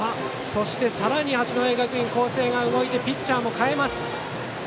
さらに八戸学院光星が動いてピッチャーも代えます。